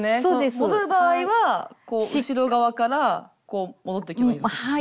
戻る場合は後ろ側から戻ってけばいいわけですね。